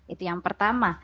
itu yang pertama